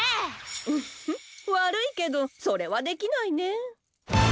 ウフッわるいけどそれはできないねえ。